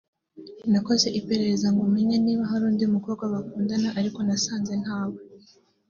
nakoze iperereza ngo menye niba hari undi mukobwa bakundana ariko nasanze ntawe